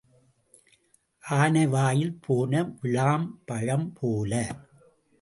ஆனை வாயில் போன விளாம் பழம் போல.